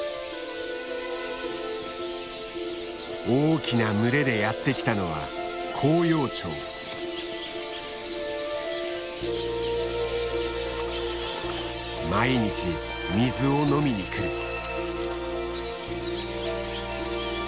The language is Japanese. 大きな群れでやって来たのは毎日水を飲みに来る。